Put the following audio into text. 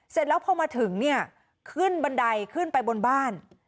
เสร็จแล้วพอมาถึงเนี่ยขึ้นบันไดขึ้นไปบนบ้าน